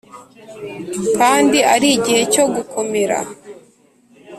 Kandi ari igihe cyo gukomera